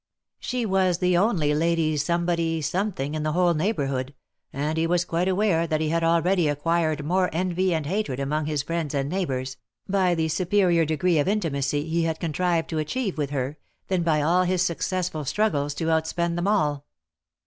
She was the only Lady Some body Something in the whole neighbourhood, and he was quite aware that he had already acquired more envy and hatred among his friends and neighbours, by the superior degree of intimacy he had 16 THE LIFE AND ADVENTURES contrived to achieve with her, than by all his successful struggles to outspend them all.